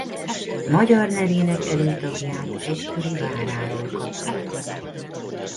Magyar nevének előtagját egykori váráról kapta.